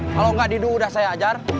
kalau gak ridu udah saya ajar